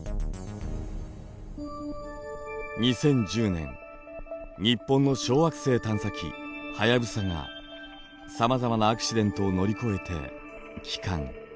２０１０年日本の小惑星探査機「はやぶさ」がさまざまなアクシデントを乗り越えて帰還。